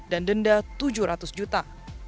dan denda tujuh ratus juta